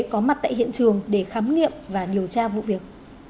có mặt tại hiện trường để khám nghiệm và điều tra vụ việc